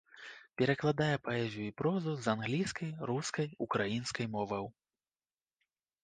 Перакладае паэзію і прозу з англійскай, рускай, украінскай моваў.